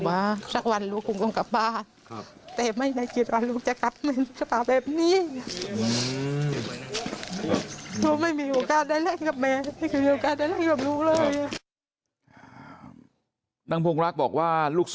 แล้วก็ยัดลงถังสีฟ้าขนาด๒๐๐ลิตร